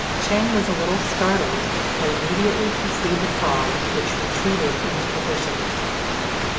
Ch'êng was a little startled, but immediately pursued the frog, which retreated into the bushes.